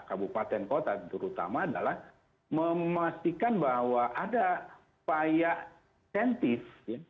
kabupaten kota terutama adalah memastikan bahwa ada paya tentif ya